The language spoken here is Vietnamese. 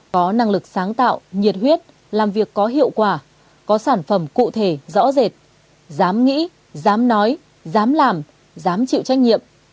có năng lực sáng tạo nhiệt huyết làm việc có hiệu quả có sản phẩm cụ thể rõ rệt dám nghĩ dám nói dám làm dám chịu trách nhiệm